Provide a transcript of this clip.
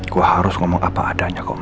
gua harus ngomong apa adanya ke om surya